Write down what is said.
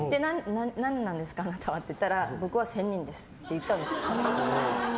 何なんですかあなたは言ったら僕は仙人ですって言ったんです。